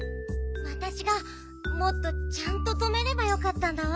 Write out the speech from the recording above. わたしがもっとちゃんととめればよかったんだわ。